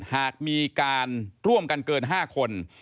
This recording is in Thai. หากมีการร่วมกันเกิน๕คน